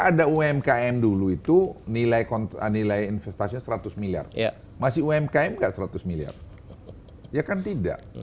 ada umkm dulu itu nilai kontra nilai investasinya seratus miliar masih umkm enggak seratus miliar ya kan tidak